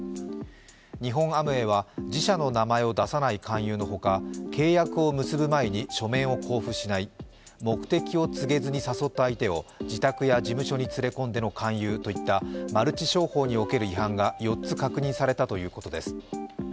日本アムウェイは自社の名前を出さない勧誘のほか契約を結ぶ前に書面を交付しない、目的を告げずに誘った相手を自宅や事務所に連れ込んでの勧誘といったマルチ商法における違反が４つ確認されたということです。